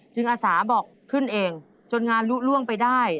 อาสาบอกขึ้นเองจนงานลุล่วงไปได้